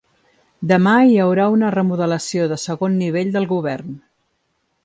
Demà hi haurà una remodelació de segon nivell del govern.